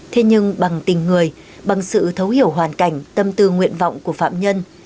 thế nhưng bằng tình người bằng sự thấu hiểu hoàn cảnh tâm tư nguyện vọng của phạm nhân